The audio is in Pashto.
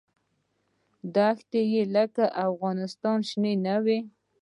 دښتې یې لکه افغانستان شنې نه وې.